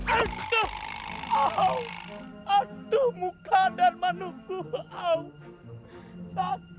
aduh auh aduh muka darmanuku auh sakit